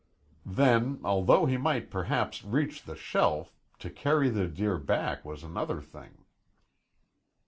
Then, although he might perhaps reach the shelf, to carry the deer back was another thing.